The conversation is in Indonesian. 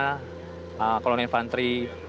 kolonial invasi dan juga kebanyakan yang terjadi di jawa barat